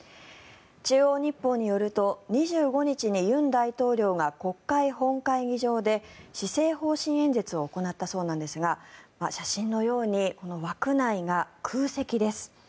中央日報によると２５日に尹大統領が国会本会議場で施政方針演説を行ったそうですが写真のように枠内が空席です。